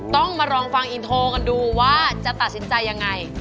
ต้องมาลองฟังอินโทรกันดูว่าจะตัดสินใจยังไง